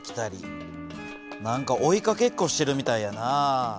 何か追いかけっこしてるみたいやな。